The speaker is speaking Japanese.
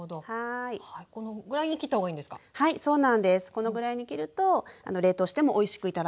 このぐらいに切ると冷凍してもおいしく頂けます。